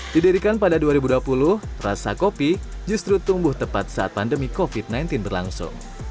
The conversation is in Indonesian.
didirikan pada dua ribu dua puluh rasa kopi justru tumbuh tepat saat pandemi covid sembilan belas berlangsung